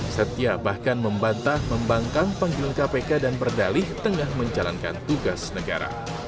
setia bahkan membantah membangkang panggilan kpk dan berdalih tengah menjalankan tugas negara